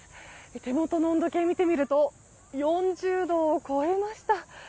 手元の温度計を見てみると４０度を超えました。